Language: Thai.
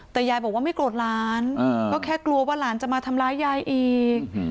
แต่ยายบอกว่าไม่โกรธหลานก็แค่กลัวว่าหลานจะมาทำร้ายยายอีก